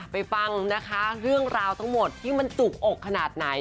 ฟังนะคะเรื่องราวทั้งหมดที่มันจุกอกขนาดไหน